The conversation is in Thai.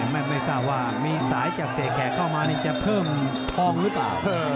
ไม่ทราบว่ามีสายจากเสียแขกเข้ามาจะเพิ่มทองหรือเปล่า